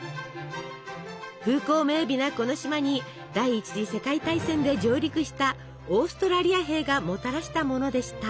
風光明美なこの島に第１次世界大戦で上陸したオーストラリア兵がもたらしたものでした。